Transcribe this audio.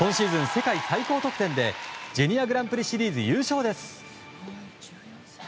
世界最高得点でジュニアグランプリシリーズ優勝です。